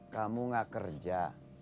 kamu gak kerja